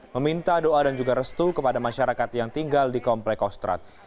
meminta doa dan juga restu kepada masyarakat yang tinggal di komplek kostrat